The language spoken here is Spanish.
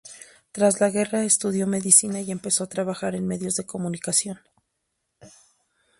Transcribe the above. Tras la guerra estudió medicina y empezó a trabajar en medios de comunicación.